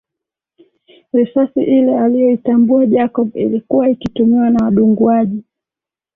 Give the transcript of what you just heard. Risasi ile aliyoitambua Jacob ilikuwa ikitumiwa na wadunguaji